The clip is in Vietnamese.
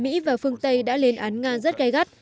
mỹ và phương tây đã lên án nga rất gai gắt